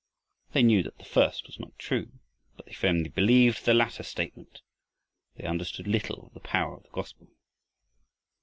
They knew that the first was not true, but they firmly believed the latter statement, for they understood little of the power of the gospel.